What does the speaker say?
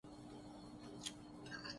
زندگی کی سرگزشت میں ہار گیا ہوں۔